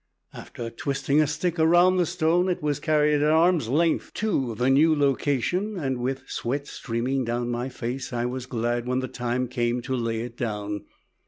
After twisting a stick around the stone it was carried at arm's length to the new location and with sweat streaming down my face I was glad when the time came to lay it down.